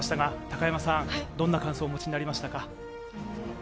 高山さん、どんな感想をお持ちになりましたか？